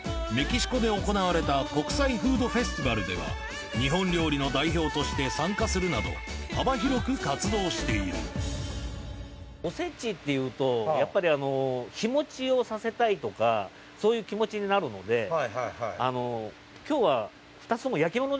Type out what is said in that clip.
メキシコで行われた国際フードフェスティバルでは日本料理の代表として参加するなど幅広く活動しているおせちっていうとやっぱり日もちをさせたいとかそういう気持ちになるので今日は。